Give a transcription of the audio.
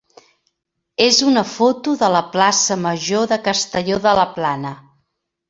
és una foto de la plaça major de Castelló de la Plana.